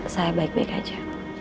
saya baik baik aja